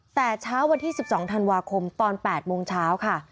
แต่เช้าวันที่๑๒ธันวาคมตอน๘โมงเช้าค่ะ